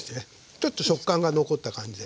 ちょっと食感が残った感じで。